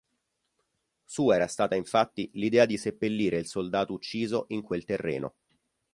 Sua era stata infatti l'idea di seppellire il soldato ucciso in quel terreno.